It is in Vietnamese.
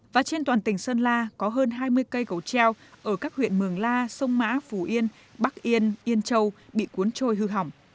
và trên toàn tỉnh sơn la có hơn hai mươi cây cầu treo ở các huyện mường la sông mã phù yên bắc yên yên châu bị cuốn trôi hư hỏng